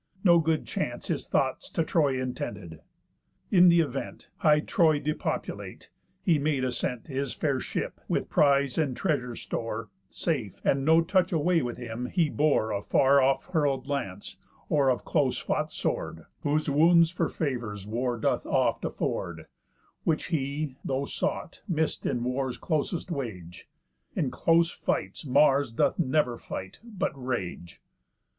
No good chance His thoughts to Troy intended. In th' event, High Troy depopulate, he made ascent To his fair ship, with prise and treasure store, Safe, and no touch away with him he bore Of far off hurl'd lance, or of close fought sword, Whose wounds for favours war doth oft afford, Which he (though sought) miss'd in war's closest wage. _In close fights Mars doth never fight, but rage.